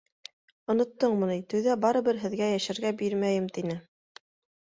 Оноттоңмо ни: туйҙа барыбер һеҙгә йәшәргә бирмәйем, тине.